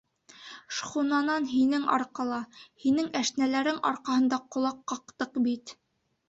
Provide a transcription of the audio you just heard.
Шхунанан һинең арҡала, һинең әшнәләрең арҡаһында ҡолаҡ ҡаҡтыҡ бит!